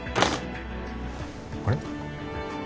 あれ？